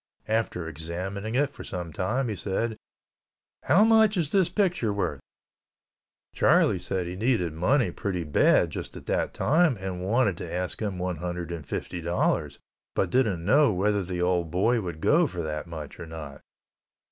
After examining it for some time, he said, "How much is this picture worth?" Charlie said he needed money pretty bad just at that time and wanted to ask him one hundred and fifty dollars, but didn't know whether the old boy would go for that much or not.